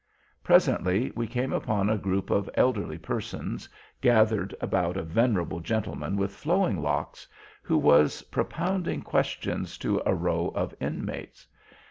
Presently we came upon a group of elderly persons, gathered about a venerable gentleman with flowing locks, who was propounding questions to a row of Inmates.